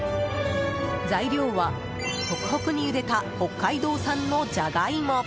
材料は、ホクホクにゆでた北海道産のジャガイモ。